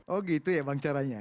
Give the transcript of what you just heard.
oh gitu ya bang caranya